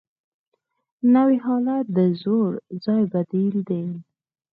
نوی حالت د زوړ ځای بدیل دی